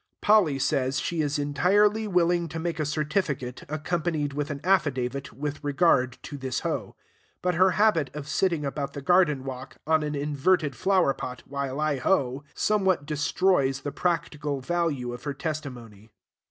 Polly says she is entirely willing to make a certificate, accompanied with an affidavit, with regard to this hoe; but her habit of sitting about the garden walk, on an inverted flower pot, while I hoe, some what destroys the practical value of her testimony.